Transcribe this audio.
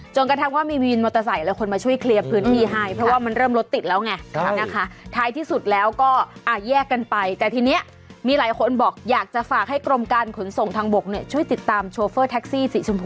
จนกระทั่งว่ามีมีนมอเตอร์ไสต์แล้วคนมาช่วยเคลียร์พื้นที่ให้เพราะว่ามันเริ่มรถติดแล้วไง